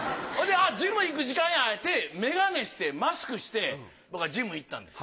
ジム行く時間やって眼鏡してマスクしてジム行ったんです。